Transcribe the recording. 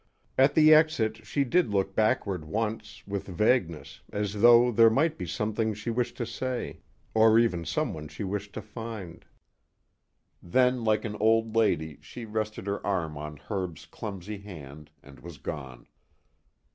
At the exit she did look backward once, with vagueness, as though there might be something she wished to say; or even someone she wished to find. Then like an old lady she rested her arm on Herb's clumsy hand, and was gone.